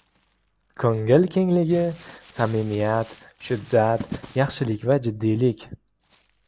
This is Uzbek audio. ko‘ngil kengligi, samimiyat, shiddat, yaxshilik va jiddiylik.